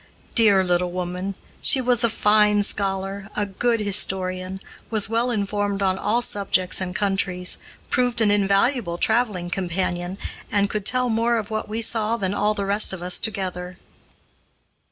Dear little woman! She was a fine scholar, a good historian, was well informed on all subjects and countries, proved an invaluable traveling companion, and could tell more of what we saw than all the rest of us together.